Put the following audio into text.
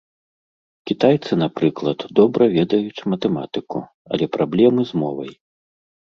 Кітайцы, напрыклад, добра ведаюць матэматыку, але праблемы з мовай.